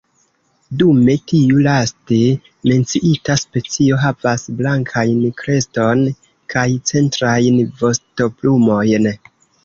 Dume tiu laste menciita specio havas blankajn kreston kaj centrajn vostoplumojn.